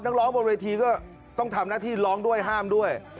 นักร้องบนเวทีก็ต้องทำหน้าที่ร้องด้วยห้ามด้วย